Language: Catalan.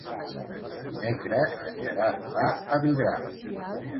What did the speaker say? Dimecres en Gerard va a Vidrà.